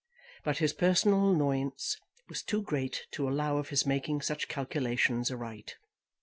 But his personal annoyance was too great to allow of his making such calculations aright.